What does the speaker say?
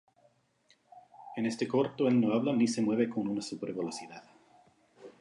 En este corto el no habla ni se mueve con una super velocidad.